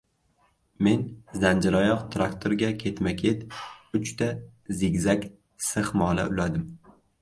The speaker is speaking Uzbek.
Men zanjiroyoq traktorga ketma-ket uchta «Zig-zag» sixmola uladim.